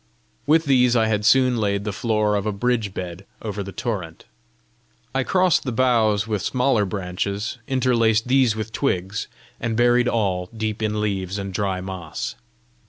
With these I had soon laid the floor of a bridge bed over the torrent. I crossed the boughs with smaller branches, interlaced these with twigs, and buried all deep in leaves and dry moss.